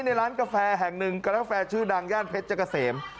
ในร้านกาแฟแห่งหนึ่งกาแฟชื่อดังย่านเพชรเจ้าเกษม